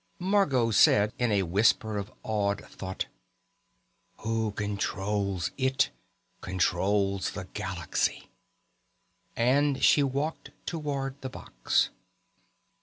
Margot said, in the whisper of an awed thought: "Who controls it controls the galaxy...." And she walked toward the box.